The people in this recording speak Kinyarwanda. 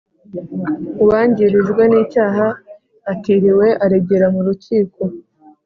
Uwangirijwe n icyaha atiriwe aregera mu rukiko